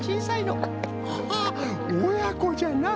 ハハおやこじゃな。